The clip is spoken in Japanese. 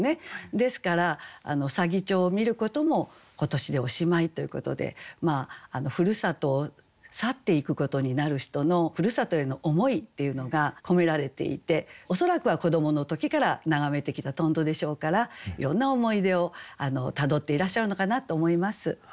ですから左義長を見ることも今年でおしまいということで故郷を去っていくことになる人の故郷への思いっていうのが込められていて恐らくは子どもの時から眺めてきたとんどでしょうからいろんな思い出をたどっていらっしゃるのかなと思います。